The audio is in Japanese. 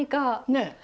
ねえ。